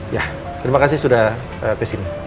ya terima kasih sudah kesini